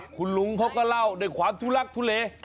คุณลุงเขาก็เล่าด้วยความทุลักทุเล